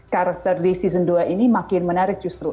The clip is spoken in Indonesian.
karakter di season dua ini makin menarik justru